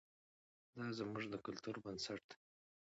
دا زموږ د کلتور بنسټ دی.